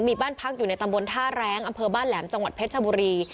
มีบ้านพักอยู่ในตำบลท่าแรงอำเภอบ้านแหลมจังหวัดเพชรชบุรี